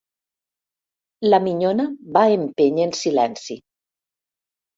La minyona va empènyer en silenci.